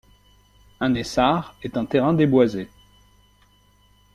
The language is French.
Un essart est un terrain déboisé.